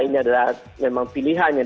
ini adalah memang pilihan yang